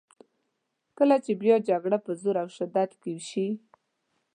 کله چې بیا جګړه په زور او شدت کې شي.